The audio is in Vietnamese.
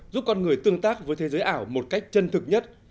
giúp con người tương tác với thế giới ảo một cách chân thực nhất